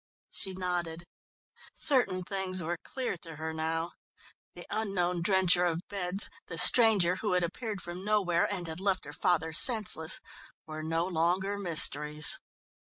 She nodded. Certain things were clear to her now; the unknown drencher of beds, the stranger who had appeared from nowhere and had left her father senseless, were no longer mysteries.